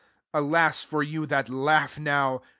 Alas [for you] that laugh now!